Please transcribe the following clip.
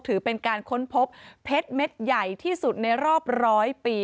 ถือเป็นการค้นพบเพชรเม็ดใหญ่ที่สุดในรอบร้อยปี